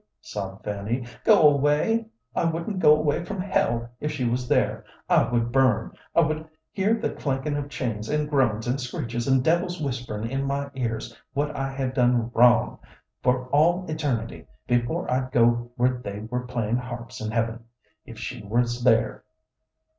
sobbed Fanny "go away? I wouldn't go away from hell if she was there. I would burn; I would hear the clankin' of chains, and groans, and screeches, and devils whisperin' in my ears what I had done wrong, for all eternity, before I'd go where they were playin' harps in heaven, if she was there.